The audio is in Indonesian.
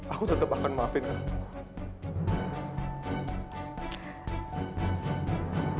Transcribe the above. aku tetep akan maafin kamu